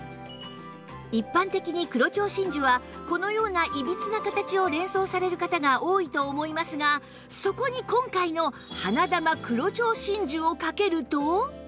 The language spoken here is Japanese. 一般的に黒蝶真珠はこのようないびつな形を連想される方が多いと思いますがそこに今回の花珠黒蝶真珠をかけると